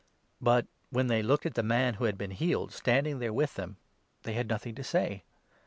But, when they looked at the man who had been healed, 14 standing there with them, they had nothing to say.